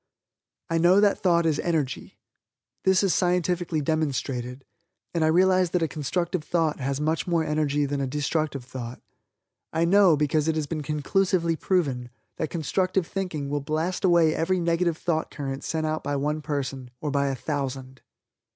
I know that Thought is Energy. This is scientifically demonstrated, and I realize that a constructive thought has much more energy than a destructive thought. I know, because it has been conclusively proven, that constructive thinking will blast away every negative thought current sent out by one person, or by a thousand.